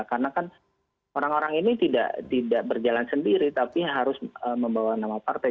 karena kan orang orang ini tidak berjalan sendiri tapi harus membawa nama partai